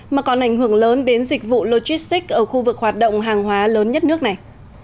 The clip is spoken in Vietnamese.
mà còn ảnh hưởng lớn đến dịch vụ logistics ở khu vực hoạt động hàng hóa lớn nhất nước này